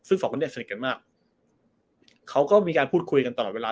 ซึ่งสองคนนี้สนิทกันมากเขาก็มีการพูดคุยกันตลอดเวลา